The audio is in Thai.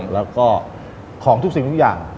แล้วก็ของทุกสิ่งทุกอย่าง